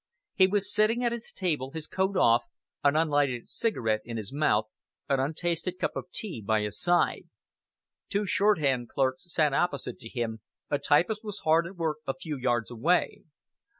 He was sitting at his table, his coat off, an unlighted cigarette in his mouth, an untasted cup of tea by his side. Two shorthand clerks sat opposite to him, a typist was hard at work a few yards away.